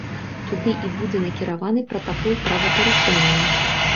Туды і будзе накіраваны пратакол правапарушэння.